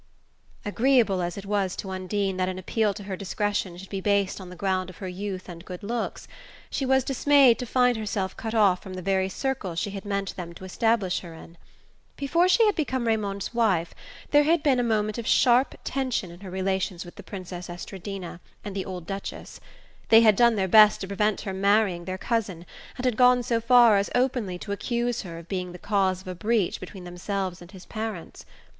Agreeable as it was to Undine that an appeal to her discretion should be based on the ground of her youth and good looks, she was dismayed to find herself cut off from the very circle she had meant them to establish her in. Before she had become Raymond's wife there had been a moment of sharp tension in her relations with the Princess Estradina and the old Duchess. They had done their best to prevent her marrying their cousin, and had gone so far as openly to accuse her of being the cause of a breach between themselves and his parents.